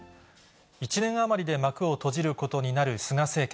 １年余りで幕を閉じることになる菅政権。